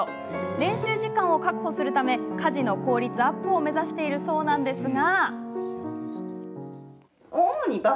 練習時間を確保するため家事の効率アップを目指しているそうなんですが。